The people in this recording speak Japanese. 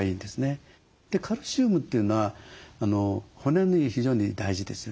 カルシウムというのは骨に非常に大事ですよね。